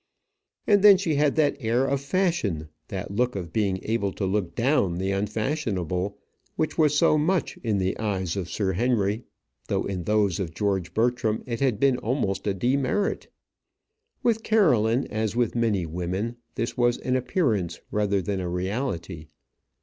And then she had that air of fashion, that look of being able to look down the unfashionable, which was so much in the eyes of Sir Henry; though in those of George Bertram it had been almost a demerit. With Caroline, as with many women, this was an appearance rather than a reality.